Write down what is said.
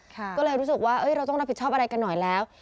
ก็เลยรู้สึกว่าเราต้องรับผิดชอบอะไรกันหน่อยแล้ว